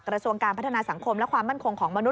กระทรวงการพัฒนาสังคมและความมั่นคงของมนุษ